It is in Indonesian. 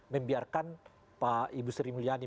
membiarkan pak ibu sri mulyani